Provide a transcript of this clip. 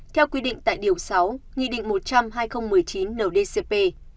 theo quy định tại điều sáu nghị định một trăm linh hai nghìn một mươi chín ndcp